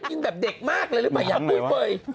กินแบบเด็กมากเลยหรือเปล่าอยากคุยเฟย์